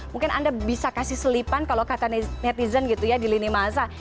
mungkin anda bisa kasih selipan kalau kata netizen gitu ya di lini masa